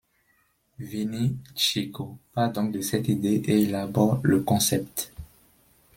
Vinnie Chieco part donc de cette idée et élabore le concept.